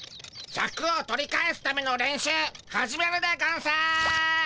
シャクを取り返すための練習始めるでゴンス！